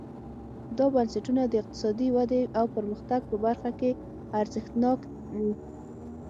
دا بنسټونه د اقتصادي ودې او پرمختګ په برخه کې ارزښتناک وو.